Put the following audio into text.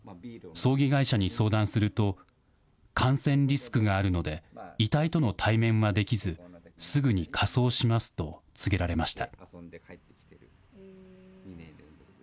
葬儀会社に相談すると、感染リスクがあるので、遺体との対面はできず、すぐに火葬しますと告げられました。